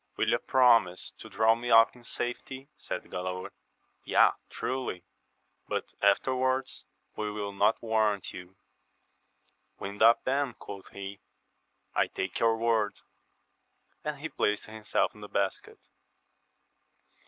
Will ye promise to draw me up in safety ? said Galaor. — Yea, truly 3 but afterwards we will not warrant you. Wind up, then, quoth he, I take your word ! and he placed himself in the basket.